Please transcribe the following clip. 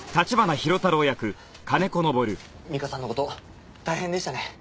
美香さんの事大変でしたね。